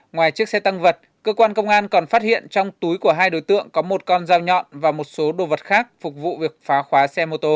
ngoài chiếc xe tăng vật cơ quan công an còn phát hiện trong túi của hai đối tượng có một con dao nhọn và một số đồ vật khác phục vụ việc phá khóa xe mô tô